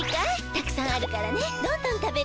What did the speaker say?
たくさんあるからねどんどん食べるんだよ。